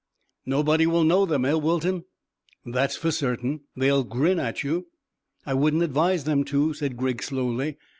"Nobody will know them, eh, Wilton?" "That's for certain. They will grin at you." "I wouldn't advise them to," said Griggs slowly.